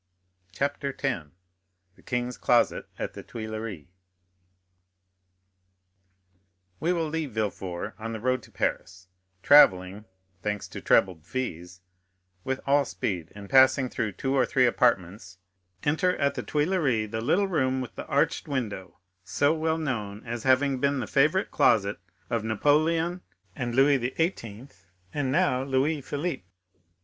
Chapter 10. The King's Closet at the Tuileries We will leave Villefort on the road to Paris, travelling—thanks to trebled fees—with all speed, and passing through two or three apartments, enter at the Tuileries the little room with the arched window, so well known as having been the favorite closet of Napoleon and Louis XVIII., and now of Louis Philippe.